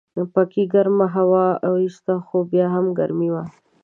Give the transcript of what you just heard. پکې ګرمه هوا ایستله خو بیا هم ګرمي وه.